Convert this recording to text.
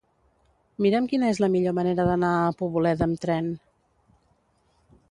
Mira'm quina és la millor manera d'anar a Poboleda amb tren.